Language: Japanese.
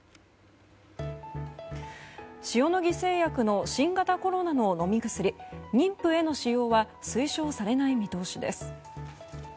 塩野義製薬の新型コロナの飲み薬妊婦への使用は推奨されない見通しです。